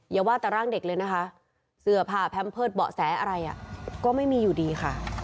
อย่าว่าแต่ร่างเด็กเลยนะคะเสื้อผ้าแพมเพิร์ตเบาะแสอะไรก็ไม่มีอยู่ดีค่ะ